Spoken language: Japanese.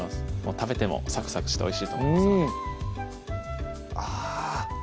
食べてもサクサクしておいしいと思いますのであぁ